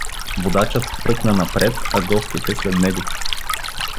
Водачът хвръкна напред, а гостите — след него.